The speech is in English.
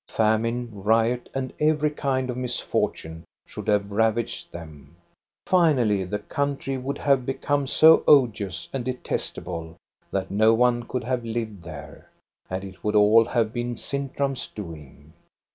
Famine, riot, and every kind of mis fortune should have ravaged them. Finally, the country would have become so odious and detestable that no one could have lived there, and it would all have been Sintram*s doing.